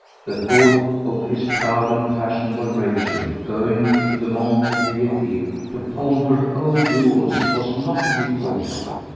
The thought of his proud and fashionable Rachel going to the Mont de Piété to pawn her own jewels was not to be thought of.